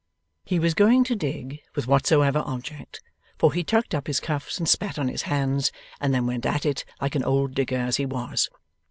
He was going to dig, with whatsoever object, for he tucked up his cuffs and spat on his hands, and then went at it like an old digger as he was.